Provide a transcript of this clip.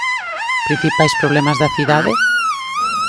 Principais problemas da cidade?